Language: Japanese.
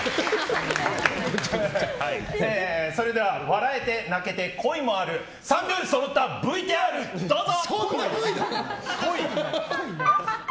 それでは笑えて泣けて恋もある三拍子そろったＶＴＲどうぞ！